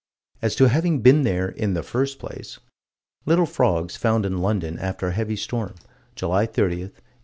As to having been there "in the first place": Little frogs found in London, after a heavy storm, July 30, 1838.